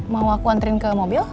mau aku antrin ke mobil